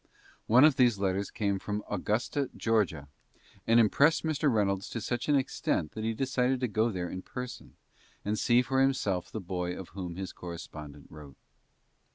One of these letters came from Augusta, Ga., and impressed Mr. Reynolds to such an extent that he decided to go there in person, and see for himself the boy of whom his correspondent wrote.